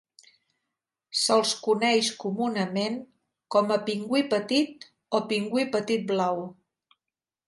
Se'ls coneix comunament com a pingüí petit o pingüí petit blau.